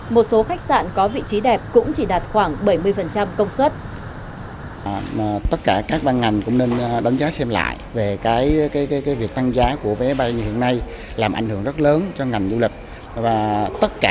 một số khách sạn có vị trí đẹp cũng chỉ đạt khoảng bảy mươi công suất